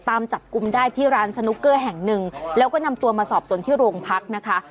ตามจับกลุ่มได้ที่ร้านสนุกเกอร์แห่งหนึ่งแล้วก็นำตัวมาสอบส่วนที่โรงพักนะคะ